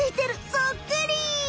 そっくり！